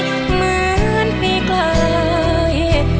เหมือนปีกลาย